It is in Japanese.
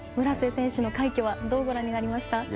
村瀬選手の快挙はどうご覧になりました？